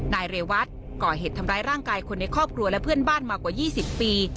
นายเรวัตก่อเหตุทำร้ายร่างกายคนในครอบครัวและเพื่อนบ้านมากว่า๒๐ปี